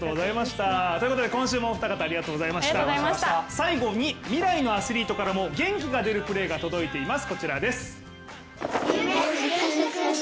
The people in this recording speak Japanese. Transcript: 最後に未来のアスリートからも元気が出るプレーが届いています。